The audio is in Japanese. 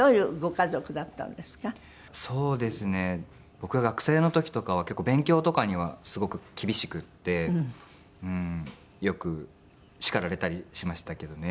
僕が学生の時とかは結構勉強とかにはすごく厳しくってよく叱られたりしましたけどね。